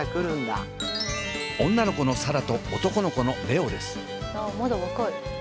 女の子の紗蘭と男の子の蓮音です。